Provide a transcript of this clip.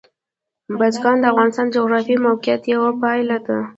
بزګان د افغانستان د جغرافیایي موقیعت یوه پایله ده.